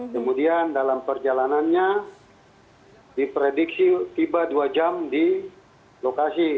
kemudian dalam perjalanannya diprediksi tiba dua jam di lokasi